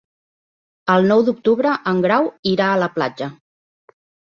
El nou d'octubre en Grau irà a la platja.